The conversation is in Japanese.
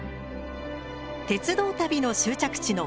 鉄道旅の終着地の北京。